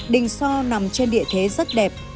đình so nằm trên địa thế rất đẹp